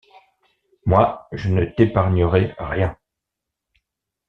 Moi, je ne t’épargnerai rien.